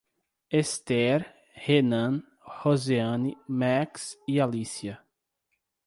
Esther, Renan, Roseane, Max e Alícia